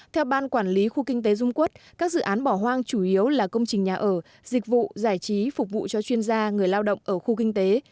theo ban quản lý khu kinh tế dung quốc các dự án bỏ hoang chủ yếu là công trình nhà ở dịch vụ giải trí phục vụ cho chuyên gia người lao động ở khu kinh tế